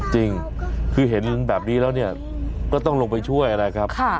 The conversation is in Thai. จริงคือเห็นแบบนี้แล้วเนี่ยก็ต้องลงไปช่วยนะครับ